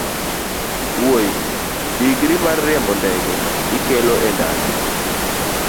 wuoyi digri mar riembo ndege ikelo e ndalo?